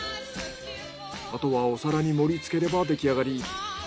あとはお皿に盛り付ければできあがり。